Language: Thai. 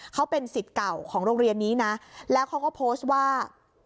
เขาเป็นสิทธิ์เก่าของโรงเรียนนี้นะแล้วเขาก็โพสต์ว่า